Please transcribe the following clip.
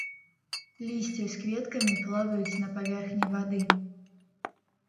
Лісце з кветкамі плаваюць на паверхні вады.